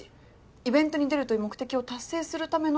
イベントに出るという目的を達成するための